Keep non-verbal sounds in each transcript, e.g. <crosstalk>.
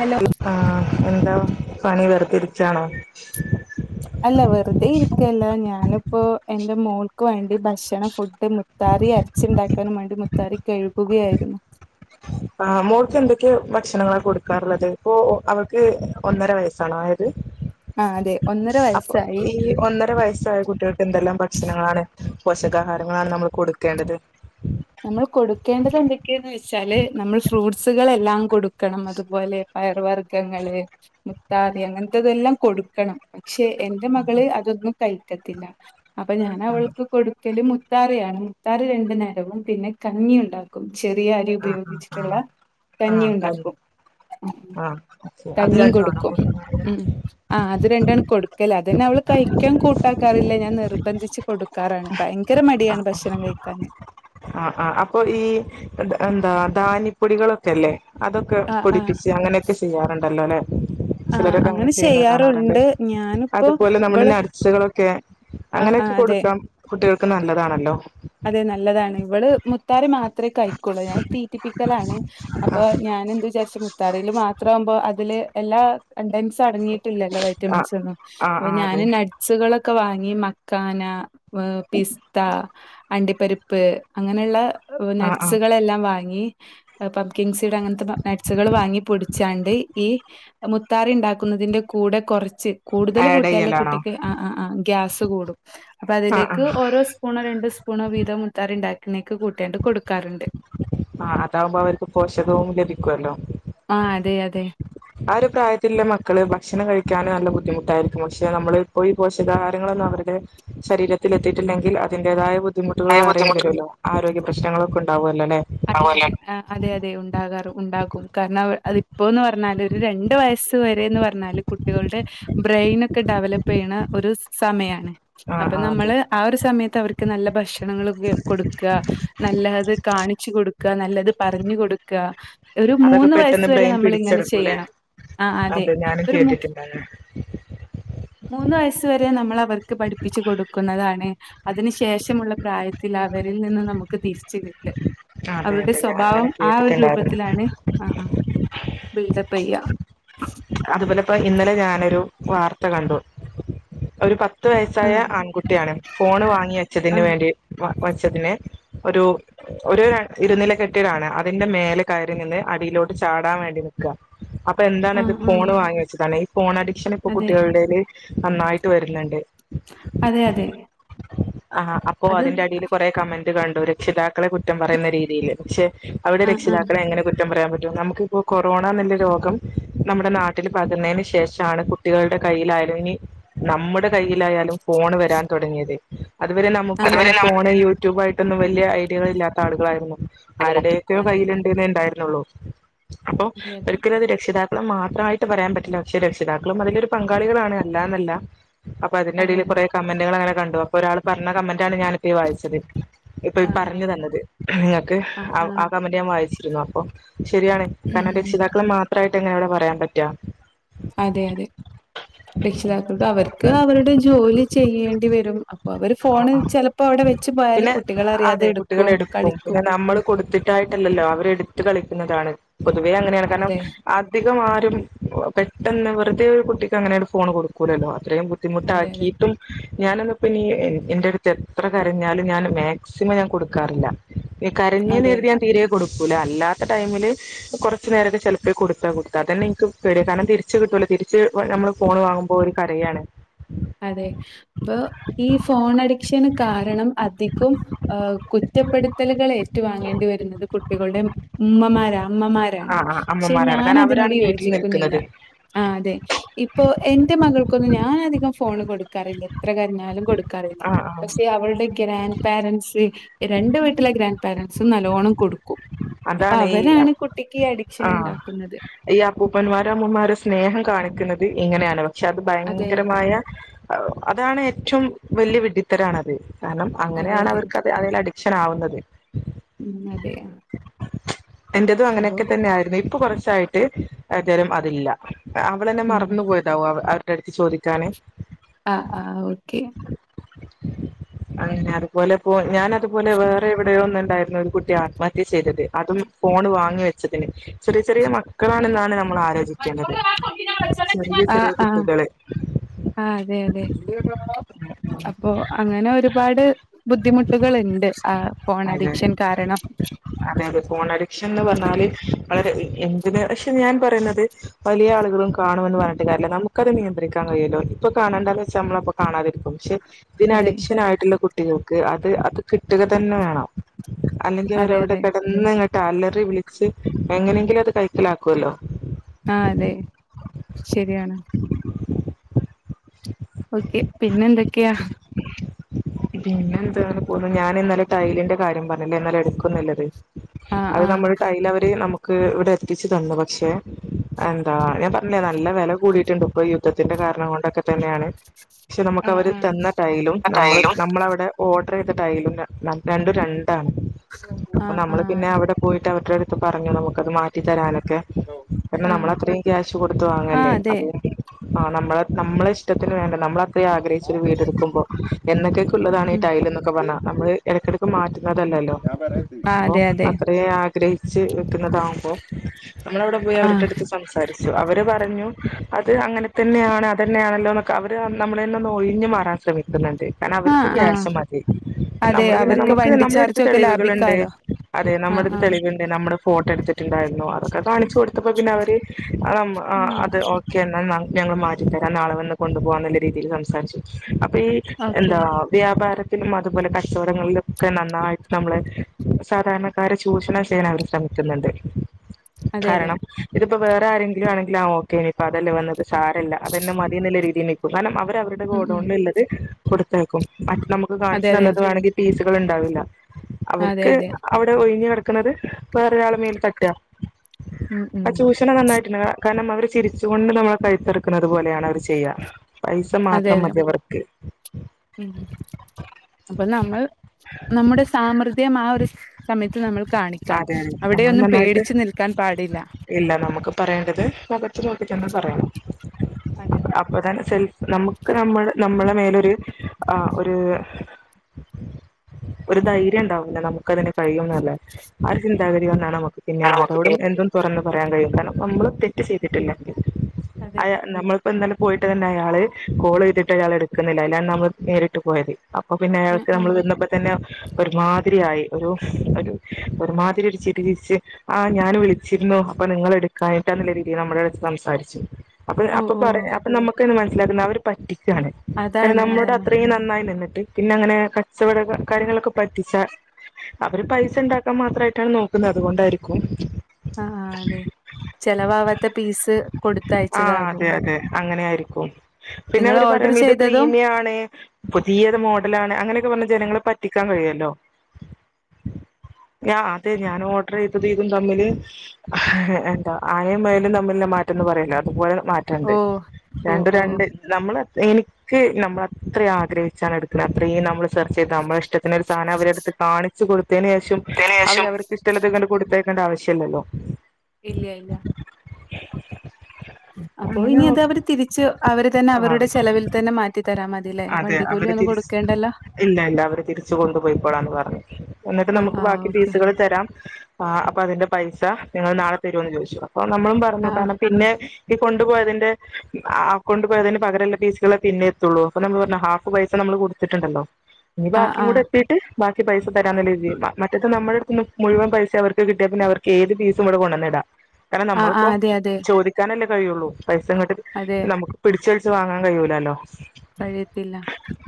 Hello ആഹ് എന്താ പണി വെറുതിരിക്കാണോ അല്ല വെറുതെ ഇരിക്കല്ല ഞാനിപ്പോ എന്റെ മോൾക്ക് വേണ്ടി ഭക്ഷണം ഫുഡ് മുത്താറി അരച്ചുണ്ടാക്കാനും വേണ്ടി മുത്താറി കഴുകുകയായിരുന്നു ആഹ് മോൾക്ക് എന്തൊക്കെയ ഭക്ഷണങ്ങളാ കൊടുക്കാറുള്ളത് ഇപ്പോ അവൾക്ക് ഒന്നര വയസ്സാണോ അതായത് ആ അതെ ഒന്നര അപ്പൊ വയസ്സായി ഈ ഒന്നര വയസ്സായ കുട്ടികൾക്ക് എന്തെല്ലാം ഭക്ഷണങ്ങളാണ് പോഷകാഹാരങ്ങളാണ് നമ്മൾ കൊടുക്കേണ്ടത്. നമ്മൾ കൊടുക്കേണ്ടത് എന്തൊക്കെയാന്ന് വെച്ചാല് നമ്മൾ ഫ്രൂട്ട്സുകളെല്ലാം കൊടുക്കും കൊടുക്കണം അതുപോലെ പയർ വർഗ്ഗങ്ങള് മുത്താറി അങ്ങനത്തെതെല്ലാം കൊടുക്കണം. പക്ഷെ എന്റെ മകള് അതൊന്നും കഴയ്ക്കത്തില്ല അപ്പൊ ഞാൻ അവൾക്ക് കൊടുക്കല് മുത്താറിയാണ് മുത്താറി രണ്ടു നേരവും പിന്നെ കഞ്ഞിയുണ്ടാകും ചെറിയ അരി ആഹ് ഉപയോഗിച്ചിട്ടുള്ള ആഹ് ആഹ് കഞ്ഞി ആഹ് ഉണ്ടാക്കും. ആഹ് അത് കഞ്ഞിയും രണ്ടും ആണോ കൊടുക്കും ഉം കൊടുക്കുന്നത് ആഹ് അത് രണ്ടാണ് കൊടുക്കല് അതന്നെ അവള് കഴിക്കാൻ കൂട്ടാക്കാറില്ല ഞാൻ നിർബന്ധിച്ച് കൊടു ക്കാറാണ് ഭയങ്കര മടിയാണ് ഭക്ഷണം കഴിക്കാൻ. ആഹ് ആഹ് അപ്പൊ ഈ എന്താ ധാന്യപ്പൊടികളൊക്കെല്ലേ. അതൊക്കെ ആഹ് ആഹ് പൊടിപ്പിച്ച് അങ്ങനെയൊക്കെ ചെയ്യാറുണ്ടല്ലോ അല്ലേ? ആഹ് ചിലരൊക്കെ അങ്ങനെ ചെയ്യുന്ന കാണാറുണ്ട് ചെയ്യാറുണ്ട് ഞാനിപ്പോ അതുപോലെ നമ്മുടെ ഇവള് നട്സുകളൊക്കെ. ആഹ് അങ്ങനെയൊക്കെ ആഹ് അതെ കൊടുക്കാം കുട്ടികൾക്ക് നല്ലതാണല്ലോ. അതെ നല്ലതാണ് ഇവള് മുത്താറി മാ ത്രേ കഴിക്കുള്ളൂ ഞാൻ തീറ്റിപ്പിക്കലാണ് അപ്പൊ ആഹ് ഞാൻ എന്ത് വിചാരിച്ചെ മുത്താറില് മാത്രാവുമ്പോ അതില് എല്ലാ കണ്ടൻസും അടങ്ങിട്ടില്ലല്ലോ ആഹ് വൈറ്റമിൻസ് ഒന്നും ആഹ് അപ്പൊ ആഹ് അതെ ഞാനും നട് സുകളൊക്കെ വാങ്ങി മക്കാന, പിസ്ത അണ്ടിപ്പരിപ്പ് അങ്ങനെയുള്ള ആഹ് ആഹ് നട്ട്സുകളെല്ലാം വാങ്ങി അ പ കിങ് സീഡ് അങ്ങനത്തെ നട്ട്സുകൾ വാങ്ങി പൊടിച്ചാണ്ട് ഈ മുത്താറി ഉണ്ടാക്കുന്നതിന്റെ കൂടെ കുറച്ച് കൂടുതൽ ആഡ് കൂട്ടിയാല് ചെയ്യലാണോ കുട്ടിക്ക് ആഹ് ആഹ് ആഹ്. ഗ്യാസ് കൂടും അപ്പൊ ആഹ് അതിലേക്ക് ആഹ് ഓരോ സ്പൂണോ രണ്ട് സ് സ്പൂണോ വീതം മുത്താറി ഉണ്ടാക്കണേക്ക് കൂട്ടിയാണ്ട് കൊടുക്കാറുണ്ട്. ആഹ് അതാവുമ്പോ അവർക്ക് പോഷകവും ലഭിക്കുവല്ലോ. ആഹ് അതെ അതെ. ആ ഒരു പ്രായത്തിലുള്ള മക്കള് ഭക്ഷണം കഴിക്കാന് നല്ല ബുദ്ധിമുട്ടായിരിക്കും പക്ഷെ നമ്മള് പോയി പോഷകാഹാരങ്ങളൊന്നും അവരുടെ ശരീരത്തിലെത്തിയിട്ടില്ലെങ്കിൽ അതിന്റേതായ ബുദ്ധിമു ബുദ്ധിമുട്ട്കള് ആയ വേറെേയും ബുദ്ധിമുട്ട് വരുല്ലോ ആരോഗ്യ പ്രശ്നങ്ങളൊക്കണ്ടാവുമല്ലോ അല്ലെ? അ പോലെ അതെ അതെ ഉണ്ടാകാറ ഉണ്ടാകും കാരണം അതിപ്പോന്ന് പറഞ്ഞാല് ഒരു രണ്ട് വയസ് ത്ത് വരെന്ന് പറഞ്ഞാല് കുട്ടികളുടെ ബ്രെയിൻ ഒക്കെ ഡെവലപ്പ് ചെയ്യുണ ഒരു സമയാണ്. ആ അപ്പൊ ആ അതെ നമ്മള് ആ ഒരു സമയത്ത് അവർ ക്ക് നല്ല ഭക്ഷണങ്ങളൊക്ക കൊടുക്ക നല്ലത് കാണി ച്ചു കൊടുക്ക നല്ലത് പറഞ്ഞു കൊടുക്ക ഒരു അതൊക്കെ മൂന്ന് വയസ് പെട്ടെന്ന് വരെ ബ്രെയിൻ നമ്മൾ ഇങ്ങനെ പിടിച്ചെടുക്കൂല്ലേ ചെയ്യണം. ആഹ് അതെ ഞാനും ഒരു മു കേട്ടിട്ടുണ്ടായിരുന്നു മൂന്ന് വയസ്സ്‌ വരെ നമ്മളവർക്ക് പഠിപ്പിച്ചു കൊടുക്കുന്നതാണ്. അതിന് ശേഷമുള്ള പ്രായത്തിൽ അവരിൽ നിന്ന് നമുക്ക് തിരിച്ചു കിട്ട. അതെ അവരുടെ അതെ ഞാൻ സ്വഭാവം അങ്ങനെ ആ ഒരു കേട്ടിട്ടുണ്ടായിരുന്നു രൂപത്തിലാണ് ആഹ് ആഹ്. ബിൽഡപ്പെയ്യ. അതു പോലെപ്പ ഇന്നലെ ഞാനൊരു വാർത്ത കണ്ടു ഒരു പത്ത് ത്ത് ആ വയസ്സായ ആൺകുട്ടിയാണ് ഫോൺ വാങ്ങി ആ വച്ചതിന് വേണ്ടി വ വച്ചതിന് ഒരു ഒരു ര ഇരുനില കെട്ടിടാണ് അതിന്റെ മേലെ കയറി നിന്ന് അടിയിലോട്ട് ചാടാൻ വേണ്ടി നി ക്ക അപ്പൊ ആ എന്താണത് ആ ഫോൺ വാങ്ങി വെച്ചതാണ് ഈ ഫോൺ അഡിക്ഷൻ ഇപ്പൊ അതെ കുട്ടികളെടേല് നന്നായിട്ട് വരുന്നെണ്ട്. അതെ അതെ. ആഹ അപ്പൊ അത് അതിന്റെ അടില് കൊറേ കമന്റ് കണ്ടു രക്ഷിതാക്കളെ കുറ്റം പറയുന്ന രീതില് പക്ഷെ അവിടെ ആ ആ രക്ഷിതാക്കളെ എങ്ങനെ കു റ്റം പറയാൻ പറ്റും നമുക്കിപ്പോ കൊറോണന്നില്ല രോഗം നമ്മുടെ നാട്ടില് പകർന്നതിന് ശേഷമാണ് കുട്ടികളുടെ കയ്യിലാരങ്ങി നമ്മുടെ കൈയിലായാലും ഫോണ് വരാൻ തുടങ്ങിയത്. അതുവരെ ആ നമുക്കും തന്നെ ഫോണ് യൂട്യൂബ് ആയിട്ടൊന്നും വലിയ ഐഡിയകളില്ലാത്ത ആളുകളായിരുന്നു. ആരുടെയൊക്കെയോ അതെ കയ്യിലുണ്ടെന്നെ ഉണ്ടായിരുന്നുള്ളു അപ്പൊ അതെ അതെ ഒരിക്കലുമത് രക്ഷിതാ ക്കള മാത്രമായിട്ട് പറയാൻ പറ്റില്ല പക്ഷേ രക്ഷിതാക്കളും അതിലൊരു പങ്കാളികളാണ് അല്ലാന്നല്ല. അപ്പൊ അതിന്റെ അതെ അടീല് അതെ കുറേ കമന്റുകൾ അങ്ങനെ കണ്ടു അപ്പോരാള് പറഞ്ഞ കമന്റാണ് ഞാനിപ്പ ഈ വായിച്ചത്. ഇപ്പൊ ഈ ആ ആ പറഞ്ഞു തന്നത് നിങ്ങക്ക് ആ കമന്റ് ഞാൻ വായിച്ചിരുന്നു അപ്പൊ ശരിയാണ്. കാരണം ഉം രക്ഷിതാക്കളെ മാത്രമായിട്ട് എങ്ങനെ ഇവിടെ പറയാൻ പറ്റാ? അതെ അതെ. രക്ഷിതാക്കൾക്ക് അവർക്ക് അവരുടെ ജോലി ചെയ്യേണ്ടി വരും അപ്പൊ അവര് ഫോണ് ചെല അപ്പൊ അവിടെ വെച്ച് പോയാല് പിന്നെ അതെ കുട്ടികളറിയാതെ കുട്ടികൾ എടുക്കും കളിക്കും പിന്നെ നമ്മൾ കൊടുത്തിട്ടായിട്ടല്ലല്ലോ അവരെടുത്ത് കളിക്കുന്നതാണ് പൊതുവേ അങ്ങനെയാണ് കാരണം അതെ അധികം ആരും പെട്ടെന്ന് വെറുതെ ഒരു കുട്ടിക്ക് അങ്ങനെ ഒരു ഫോൺ കൊടുക്കൂലല്ലോ അത്രയും അതെ അതെ ബുദ്ധിമുട്ടാക്കീട്ടും ഞാനന്നിപ്പതിനി എന്റെടുത്ത് എത്ര കരഞ്ഞാലും ഞാൻ മാക്സിമം ഞാൻ കൊടുക്കാറില്ല കരഞ്ഞെന്നു അതെ കരുതി ഞാൻ തീര കൊടുക്കൂല അല്ലാത്ത ടൈമില് കൊറച്ചു നേരത്തെ ചെല കൊടുത്താ കൊടുത്താ അതന്നെ എനിക്ക് പേടിയ കാരണം തിരിച്ച് കിട്ടലോ തിരിച്ച് നമ്മൾ ഫോണ് വാങ്ങുമ്പോൾ ഓര് കരയാണ് അതെ അപ്പൊ ഈ ഫോൺ അഡിക്ഷന് കാരണം അധികും ആ കുറ്റപ്പെടുത്തലുകളേറ്റുവാങ്ങേണ്ടി വരുന്നത് കുട്ടികളുടെ ഉമ്മമാരാ ആ അമ്മമാരാണ് ആ പക്ഷെ അമ്മമാരാണ് ഞാൻ കാരണം അവരാണ് അതിനോട് വീട്ടിൽ യോജിക്കുന്നില്ല നിൽക്കുന്നത് ആ അതെ ഇപ്പൊ എന്റെ മകൾക്കൊന്നും ഞാൻ അധികം ഫോണ് കൊടുക്കാറില്ല എത്ര കരഞ്ഞാലും കൊടുക്കാറില്ല ആ ആ പക്ഷെ അവളുടെ ഗ്രാൻഡ് പാരൻറ്സ് രണ്ടു വീട്ടിലെ ഗ്രാൻഡ് പാരൻറ്സും നല്ലോണം കൊടുക്കും ക്കും അപ്പൊ അതാണ് ഈ അവരാണ് കുട്ടിക്ക് ഈ അഡിക്ഷൻ ആഹ് ഇണ്ടാക്കുന്നത് ഈ അപ്പൂപ്പന്മാരും അമ്മന്മാരും സ്നേഹം കാണിക്കുന്നത് ഇങ്ങനെയാണ് പക്ഷെ അത് അതെ ഭയങ്കരമായ അതാണ് ഏറ്റവും വലിയ വിഡിത്തരാണത് കാരണം അതെ അങ്ങനെയാണ് അതെ അവർക്കത് അതിലഡി ക്ഷണാആവുന്നത്.. മ്ഹ്. അതെആ.. എന്റെതും. അങ്ങനെയൊക്കെ തന്നെ ആയിരുന്നു ഇപ്പൊ കുറച്ചായിട്ട് ണ്ടേലും അതില്ല അവളന്നെ ഉം മറന്നു പോയി.. ണ്ടാവുഅവൾ. അവരുടെ അടുത്ത് ചോദിക്കാന്.. ആ. ആ. ഓക്കെ.. <inaudible> അതന്നെ. അതുപോലെപ്പോ ഞാാന അതുപോലെ വേറെ എവിടെയൊ ഒന്നുണ്ടായിരുന്നു ഒരു കുട്ടിയാ ആത്മ.. ട്ടി. ചെയ്തത് അതും ഫോണ് വാങ്ങി വെച്ചതിന്.. ചെറിചെറിയെ മക്കളാണെന്നാണ് നമ്മൾ ആലോചിക്കേണ്ടത്.. ചെറിയ ചെറിയ കുട്ടികള്.. ആ അതെ അതെ.. ഉം ഉം അപ്പോ അങ്ങനെ ഒരുപാട് ബുദ്ധിമുട്ടുകള്ണ്ട്. ആ.. ഫോൺ അതെ അഡിക്ഷൻ കാരണം.. അതെ അതെ ഫോൺ അഡിക്ഷൻ ന്ന് പറഞ്ഞാല്. വളരെ യെന്തിനാ പഷേ ഞാൻ പറയുന്നത്.. വലിയ ആളുകളും കാണുമെന്ന് പറഞ്ഞിട്ട് കാര്യല്ല നമുക്കത് നിയന്ത്രിക്കാൻ കഴിയുല്ലോ ഇപ്പൊ കാണേണ്ടാന്ന് വെച്ചാ നമ്മള കാണാതിരിക്കും. ഷേ. അതെ ഇതിനഅഡിക്ഷനായിട്ടുള്ള കുട്ടികൾക്ക് അത് അത് കിട്ടുക തന്നെ വേണം.. അല്ലെങ്കി അതെ അവരവിടെ അതെ കെട.. ഇന്ന് ങ്ങണ്ടഅലറി വിളിച്ച് എങ്ങനെങ്കിലും അത് കൈക്കലാക്കുല്ലോ.. ആ അതെ. ശരിയാണ്.. ഓക്കെ പിന്നെ എന്തൊക്കെയാ.. പിന്നെന്ത് ങ്ങനെ പോണ്. ഞൻ ഇന്നലെ.. ടൈലിന്റെ കാര്യം പറഞ്ഞില്ലേ. ഇന്നലെ എടുക്കും നില്ലത് ആഹ് അത് നമ്മൾ ആഹ് ടൈല അവര്.. ക്ക് ഇവിടെ എത്തിച്ചു തന്നു പക്ഷെ.. അ എന്താ. ഞാൻ പറഞ്ഞില്ലേ നല്ല വെല കൂടിട്ടുണ്ട് ഇപ്പൊ യുദ്ധത്തിന്റെ കാരണം കൊണ്ടൊക്കെ.. തന്നെയാണ് പക്ഷെ നമുക്ക് ആഹ് അവര് ആഹ് തന്ന ടൈലും നമ്മള് ആഹ് നമ്മളവിടെ ഓർഡർ യ്ത ടൈലും. ര.. രണ്ടും രണ്ടാണ് അപ്പൊ ആഹ് നമ്മള് പിന്നെ അവിടെ.. പോയിട്ട് അവരുടെ അടുത്ത് പറഞ്ഞു നമുക്കത് മാറ്റി തരാനൊക്കെ.. പ. ആഹ് നമ്മള അത്രം ക്യാഷ് കൊടുത്ത് ആഹ് വാങ്ങല്ലേ അതെ അതൊണ്ടി.. ആഹ നമ്മളെ നമ്മളെ ഇഷ്ടത്തിന് വേണ്ട നമ്മള.. ത്രി ആഗ്രഹിച്ച ഒരു വീട് ടുക്കുമ്പോ എന്നൊക്കൊക്ക ഉള്ളതാണ് ഈ ഉം ടൈൽ ന്നൊക്കെ പറഞ്ഞാ നമ്മള് എ ടകെടക്ക്. മാറ്റ.. റ്റുന്നതല്ലല്ലോ ആഹ് അപ്പം അതെ അതെ അത്രീ.. ഗ്രഹിച്ച് എത്തുന്നാതാവുമ്പോ നമ്മൾ അവിടെ പോയി ആഹ് അവരുടെടുത്ത് സംസാരിച്ചു അവര് പറഞ്ഞു.. അത് അങ്ങനെ തന്നെയാണ് അത് തന്നെയാണല്ലോ ന്നൊക്കെ അവര് നമ്മളന്നെ ഒന്ന് ഒഴിഞ്ഞഞ് മാറാൻ ശ്രമിക്കുന്നുണ്ട്.. കാരണം അവർക്ക് ആഹ് ആഹ് ക്യഷ് മാതി.. അതെ നമ്മള് പിന്നെ അവർക്ക് നമുക്ക് വണ്ടി നമ്മുടെടുത്ത് ചാർജൊക്കെ തെളിവുകളുണ്ട് ലാഭിക്കാലോ അതെ നമ്മുടെ ആഹ് ടുത്തെ ആഹ് തെളിവ് നമ്മടെ ഫോട്ടോ എടുത്തിട്ടുണ്ടായിര്ന്നു അതൊക്കെ കാണിച്ചു കൊടുത്തപ്പോ പിന്നെ അവര്. ആം മ്മ ആഹ് അത് ഒക്കെ കെ. എന്നാൽ ഞങ്ങൾ മാറ്റിത്തരാം നാളെ വന്ന് കൊണ്ടു പോകവാനുള്ള രീതിയിൽ സംസാരിച്ചു അപ്പൊ ഈ ഓക്കെ എന്താ വ്യാപാരത്തിനും. അതുപോലെ കഷ് ചോടാങ്ങളിലൊക്കെ നന്നായിട്ട് നമ്മളെ സാധാരണക്കാരെ ചൂഷണ ഷെയ്യാൻ അവർ ശ്രമിക്കുന്നുണ്ട്.. അതെ അതെ കാരണം ഇതിപ്പോ വേറെ ആരെങ്കിലു ആണെങ്കിൽ ആഹ് ഓക്കെ ഇപ്പോ അതന്നെ വന്നത്. സാരല്ല അതന്നെ മതീന്ന് ള്ള രീയിൽ നിക്കും കാരണം അവര് അവരുടെ ഉം ഉം കോഡോൺള്ളത് കൊടുതയകും മറ്റ് നമുക്ക് അതെ കാണിച്ച് അതെ തന്നത് വേണങ്കി പീസുകൾ ഉണ്ടാവില്ല.. അതെ അവർക്ക് അതെ അവിടെ ഒഴിഞ്ഞ് കെടക് ണത്. വേറെൊരാളെ മേൽ തട്ട് മ്ഹ് മ്മ്ഹ്.. ഇത്ര നന്നായിട്ട് ണ്ട് കാരണം അവര് ചിരിച്ചു കൊണ്ട് നമ്മളെ കൈത്തറ ക്ക്ണത് പോലെയാണ് അവര് ചെയ്യാ പൈസ മാത്രം മതിവർക്ക്.. മ്ഹ്. അപ്പൊ നമ്മൾ നമ്മുടെ സാമ്ര ദ്യം. ആഹ്. ഒരു സമയത്ത് നമ്മൾ കാണിക്കണം അതെ അതെ നമ്മൾ അവിടെയൊന്നും നന്നായിട്ട് പേടിച്ചു നിൽക്കാൻ പാടില്ല.. ഇല്ല നമുക്ക് പറയേണ്ടത് മുഖത് നോക്കിട്ട്ന്നെ പറയണം.. അതെ അപ്പൊ തന്നെ സെൽഫ് നമുക്ക് നമ്മൾ നമ്മളെ മേലൊരു ഒരു ഒരു ധൈര്യം ഉണ്ടാവും. നമുക്ക്തിനു കഴിയുംല്ല ആര് ചിന്താഗതിന്നാണ് നമുക്ക് പിന്നെ ആരോടും എന്ത്തും- തുറന്ന് പറയാൻ കഴിയും കാരണം നമ്മള് തെറ്റ് ചെയ്തിട്ടില്ല അതെ അയ നമ്മൾ ഇപ്പൊ എന്താലും പോയിട്ട് തന്നെ അയാള് കോൾ ചെയ്തിട്ട് അയാൾ എടുക്കുന്നില്ല അല്ലാണ്ട് നമ്മൾ നേരിട്ട് പോയത്. അപ്പൊ പിന്നെ ആഹ് അയാൾക്ക് നമ്മൾ ആഹ് വന്നപ്പോ തന്നെ ഒരുപാട് ഒത്തിരിയായി ഒരു ഒരുമാതിരി ഒരു ചിരി ചിരിച്ച് ആഹ് ഞാൻ വിളിച്ചിരുന്നു അപ്പൊ നിങ്ങൾ എടുക്കാനായിട്ടാ നല്ല രീതിയിൽ നമ്മുടെ അടുത്ത് സംസാരിച്ചു- അപ്പൊ ഓ അപ്പൊ ഓ പറയാ അപ്പൊ നമ്മുക്കെ മനസ്സിലാക്കുന്ന അവര് പറ്റിക്കുകയാണ് കാരണം അതാണ് നമ്മളോട് അതാണ് അത്രയും നന്നായി നിന്നിട്ട് പിന്നെ അങ്ങനെ കച്ചവട കാര്യങ്ങളൊക്കെ പറ്റിച അവര് പൈസ ഉണ്ടാക്കാൻ മാത്രമായിട്ടാണ് നോക്കുന്നത് അതുകൊണ്ടായിരിക്കും. ആഹ് അതെ ചെലവവാത്ത പീസ് ആഹ് കൊടുത്തയച്ചതാകും. അതെ അതെ അങ്ങനെ ആയിരിക്കും പിന്നെ നിങ്ങൾ അവര് ഓർഡർ പറയും ഇത് ചെയ്തതും പ്രീമിയാണ് പുതിയത് മോഡലാണ് അങ്ങനെയൊക്കെ പറഞ്ഞ് ജനങ്ങളെ പറ്റിക്കാൻ കഴിയുമല്ലോ? അതെ ഞാൻ ഓർഡർ ചെയ്തത് ഇതും തമ്മില് ഹാ എന്താ ആനയും മുയലും തമ്മിൽ മാറ്റന്ന് പറയലോ അതുപോലെ മറ്റ രണ്ട് ഓ ഓ രണ്ട് ഓ രണ്ട് നമ്മള എനിക്ക് നമ്മൾ അത്ര ആഗ്രഹിച്ചാണ് എടുക്കണം അത്ര നമ്മള് സെർച്ച് ചെയ്ത് നമ്മള ഇഷ്ടത്തിന് ഒരു സാധനം അവരെ അടുത്ത് കാണിച്ചു കൊടുത്തതിന് ശേഷം അവരെ അവർക്ക് ഇഷ്ടലത്തെക്ക് കൊടുത്തേക്കേണ്ട ആവശ്യം ഇല്ലല്ലോ? ഇല്ല ഇല്ല അപ്പോ അങ്ങനെ ഇനി അത് അവര് തിരിച്ച് അവര് തന്നെ ആഹ് അവരുടെ ചെലവിൽ തന്നെ മാറ്റിത്തരാ മതി അതെ അവര് തിരിച്ച് ഇല്ല ഇല്ല അവര് തിരിച്ചു കൊണ്ടുപോയി കോളന്ന് പറഞ്ഞു എന്നിട്ട് ആഹ് നമുക്ക് ആഹ് ബാക്കി ഓക്കെ ഫീസുകൾ തരാം ആ അപ്പൊ അതിന്റെ പൈസ നിങ്ങൾ നാളെ തരുവെന്ന് ചോദിച്ചു അപ്പൊ നമ്മളും പറഞ്ഞു ആഹ് കാരണം പിന്നെ ഈ കൊണ്ടുപോയതിന്റെ ആഹ് കൊണ്ടുപോയതിന് പകരമുള്ള പീസുകളെ പിന്നെ എത്തുള്ളൂ- അപ്പൊ നമ്മള് പറഞ്ഞ ഹാഫ് പൈസ നമ്മള് കൊടുത്തിട്ടുണ്ടല്ലോ ഇനി ആഹ് ബാക്കി ആഹ് കൂടെ എത്തിട്ട്- ബാക്കി പൈസ തരാന്നരീതിൽ മ മറ്റേത്ത നമ്മുടെ അടു നിന്ന് മുഴുവൻ പൈസ അവർക്ക് കിട്ടിയാ പിന്നെ അവർക്ക് ഏത് രീതി കും കൊണ്ടുവന്നിടാം കാരണം ആഹ് ആഹ് നമ്മളിപ്പം അതെ അതെ ചോദിക്കാനല്ലേ കഴിയുള്ളൂ പൈസ ഇങ്ങോട്ട് അതെ നമുക്ക് പിടിച്ചഴിച്ച വാങ്ങാൻ കഴിയൂലല്ലോ? കഴിയത്തില്ല-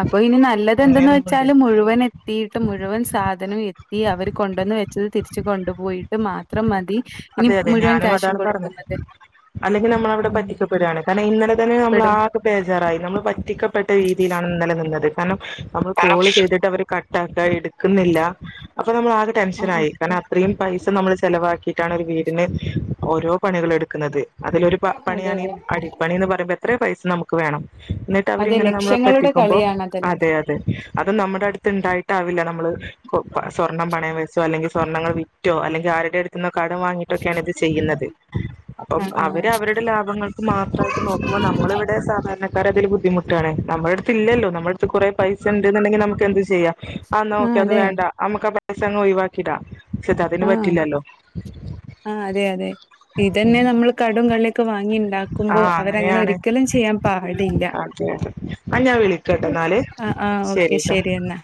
അപ്പൊ ഇനി നല്ലത് എന്തെന്ന് അങ്ങനെയൊന്നുണ്ട് വെച്ചാല് മുഴുവൻ എത്തിട്ട് മുഴുവൻ സാധനം എ ഈ അവര് കൊണ്ടു വന്ന് വെച്ചത് തിരിച്ച് കൊണ്ടു പോയിട്ട് മാത്രം മതി ഇനി അതെ അതെ മുഴുവൻ ഞാനും കാശും അതാണ് പറഞ്ഞത് കൊടുക്കുന്ന <unintelligible> അല്ലെങ്കിൽ നമ്മള് അവിടെ പറ്റിക്കപ്പെടുകാണ് കാരണം ഇന്നലെ തന്നെ നമ്മൾ പെടും ആതും ബേജാറായി നമ്മള് പറ്റിക്കപ്പെട്ട രീതിയിലാണ് ഇന്നലെ നിന്നത് കാരണം നമ്മൾ ആഹ് കോള് ചെയ്തിട്ട് അവർ ക ട്ടാക്കാ എടുക്കുന്നില്ല അപ്പൊ നമ്മള് ആകെ ആഹ് ടെൻഷനായി കാരണം അത്രയും പൈസ നമ്മള് ചെലവാക്കിയിട്ടാണ് ഒരു വീടിന് ഓരോ പണികള് എടുക്കുന്നത് അതിലൊരു പ അതെ പണിയാണ് ഈ അതെ അടിപ്പണി എന്ന് പറയുമ്പോ എത്രേ പൈസ നമുക്ക് വേണം ന്നി <unintelligible> അതെ ഇങ്ങനെ നമ്മളെ ലക്ഷ്യങ്ങളുടെ പറ്റിക്കുമ്പോ കളിയാണ് അതെല്ലാം അതെ അ ത് അത് നമ്മുടെ അടുത്ത് ഉണ്ടായിട്ടാവില്ല നമ്മള് സ്വർണം പണയം വെച്ചോ അല്ലെങ്കി സ്വർണ്ണങ്ങൾ വി റ്റോ അല്ലെങ്കിൽ ആരുടെ അടുത്തിന്ന് കടം വാങ്ങിയിട്ടൊക്കെയാണ് ഇത് ചെയ്യുന്നത് അപ്പം ആഹ് അവര് ആഹ് അവരുടെ ലാഭങ്ങൾ ക്ക് മാത്രായിട്ട് നോക്കുമ്പോ നമ്മള് ഇവിടെ സാധാരണക്കാര് അതിൽ ബുദ്ധിമു ട്ടാണ് നമ്മടെ അടുത്ത് ഇല്ലല്ലോ നമ്മടെ അടുത്ത് കൊറേ പൈസ ഇണ്ട് എന്നുണ്ടെങ്കിൽ നമുക്ക് എന്ത് ചെയ്യാം ആഹ് നോക്ക് അത് വേണ്ട അമ്മുക്ക് ആഹ് പൈസ അങ്ങ് ഒഴിവാക്കി ഇടാം അതിന് ആഹ് പറ്റില്ലാല്ലോ ആഹ് അതെ അതെ ഉം ഇതന്നെ നമ്മള് കടോം കള്ളിയൊക്കെ വാങ്ങി ആ ഉണ്ടാക്കുമ്പോ അവരങ്ങനെ അങ്ങനെയാണ് ഒരിക്കലും ചെയ്യാൻ പാടില്ല അതെ അതെ ആ ഞാൻ വിളിക്കട്ടോ എന്നാല് ആഹ് ആഹ് ഓക്കെ ശരിട്ടോ ശരി എന്നാ